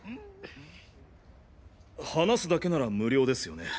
話すだけなら無料ですよね？